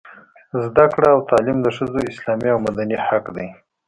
زده کړه او تعلیم د ښځو اسلامي او مدني حق دی.